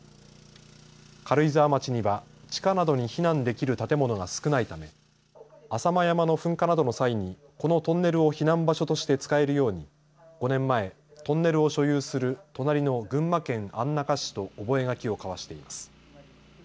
軽井沢町には地下などに避難できる建物が少ないため浅間山の噴火などの際にこのトンネルを避難場所として使えるように５年前、トンネルを所有する隣の群馬県安中市と覚書を交わしています。